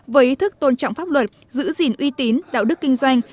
với ý thức tôn trọng pháp luật giữ gìn uy tín đạo đức kinh doanh